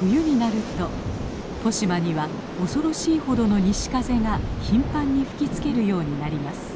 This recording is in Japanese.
冬になると利島には恐ろしいほどの西風が頻繁に吹きつけるようになります。